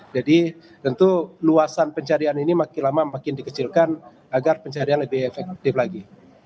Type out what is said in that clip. jadi tentu luasan pencarian ini makin lama makin dikecilkan agar pencarian lebih efektif lagi